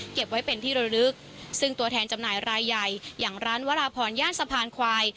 ไว้เป็นที่ระลึกซึ่งตัวแทนจำหน่ายรายใหญ่อย่างร้านวราพรย่านสะพานควาย